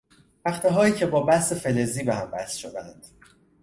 تختههایی که با بست فلزی به هم وصل شدهاند